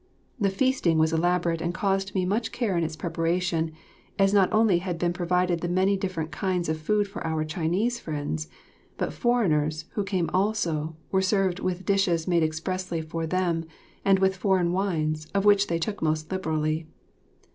The feasting was elaborate and caused me much care in its preparation, as not only had been provided the many different kinds of food for our Chinese friends, but foreigners, who came also, were served with dishes made expressly for them, and with foreign wines, of which they took most liberally.